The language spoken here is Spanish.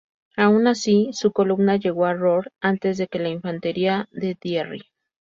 Aun así, su columna llegó a Rohr antes que la infantería de Thierry.